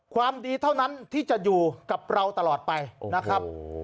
ความดีเท่านั้นที่จะอยู่กับเราตลอดไปนะครับ